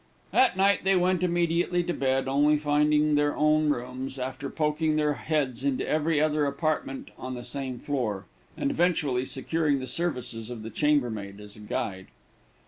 At night they went immediately to bed, only finding their own rooms after poking their heads into every other apartment on the same floor, and eventually securing the services of the chambermaid as a guide.